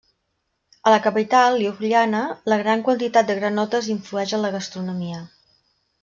A la capital, Ljubljana, la gran quantitat de granotes influeix en la gastronomia.